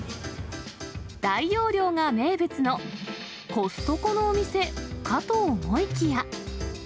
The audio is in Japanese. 大容量が名物のコストコのお店かと思いきや。